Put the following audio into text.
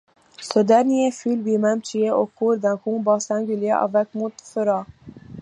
Ce dernier fut lui-même tué au cours d’un combat singulier avec Montferrat.